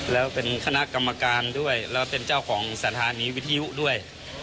แล้วเป็นคณะกรรมการด้วยแล้วเป็นเจ้าของสถานีวิทยุด้วย